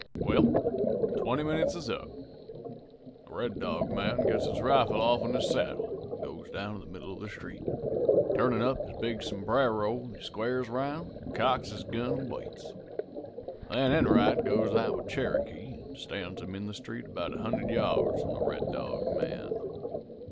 "Well, the twenty minutes is up; the Red Dog man gets his rifle offen his saddle an' goes down the middle of the street. Turnin' up his big sombrero, he squares 'round, cocks his gun, an' waits. Then Enright goes out with Cherokee an' stands him in the street about a hundred yards from the Red Dog man.